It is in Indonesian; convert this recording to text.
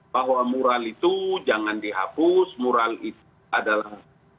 bahwa mural itu jangan dihapus mural itu adalah